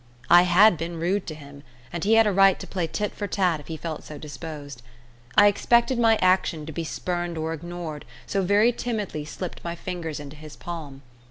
I had been rude to him, and he had a right to play tit for tat if he felt so disposed. I expected my action to be spurned or ignored, so very timidly slipped my fingers into his palm.